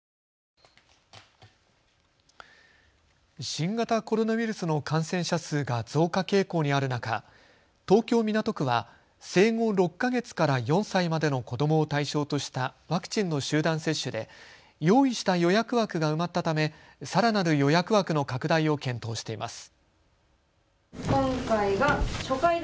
新型コロナウイルスの感染者数が増加傾向にある中、東京港区は生後６か月から４歳までの子どもを対象としたワクチンの集団接種で用意した予約枠が埋まったためさらなる予約枠の拡大を検討しています。